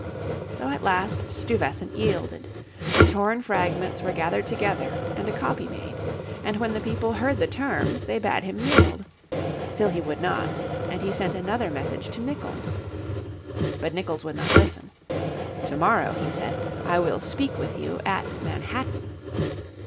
So at last Stuyvesant yielded; the torn fragments were gathered together and a copy made. And when the people heard the terms they bade him yield. Still he would not, and he sent another message to Nicolls. But Nicolls would not listen. "To morrow," he said, "I will speak with you at Manhattan."